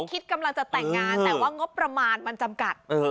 คิดกำลังจะแต่งงานแต่ว่างบประมาณมันจำกัด